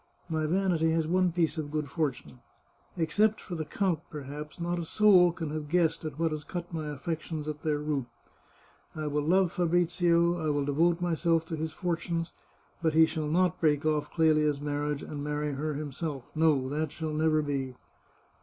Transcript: ... My vanity has one piece of good fortune. Except for the count, perhaps, not a soul can have guessed at what has cut my affections at their root. ... I will love Fabrizio, I will devote myself to his fortunes, but he shall not break ofif Clelia's marriage and marry her him self. ... No, that shall never be